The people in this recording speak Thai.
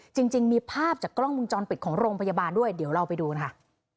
จริงมีภาพจากกล้องมุมจรปิดของโรงพยาบาลด้วยเดี๋ยวเราไปดูค่ะ